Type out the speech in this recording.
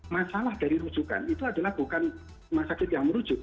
masalah dari rujukan itu adalah bukan rumah sakit yang merujuk